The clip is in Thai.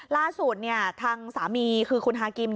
ล่าสุดทางสามีคือคุณฮากิม